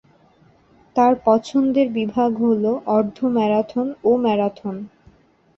তার পছন্দের বিভাগ হল অর্ধ-ম্যারাথন ও ম্যারাথন।